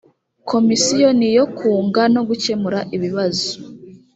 komisiyo niyo kunga no gukemura ibibazo.